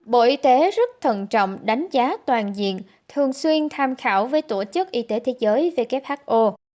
bộ y tế rất thận trọng đánh giá toàn diện thường xuyên tham khảo với tổ chức y tế thế giới who